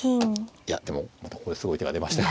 いやでもまたここですごい手が出ましたよ。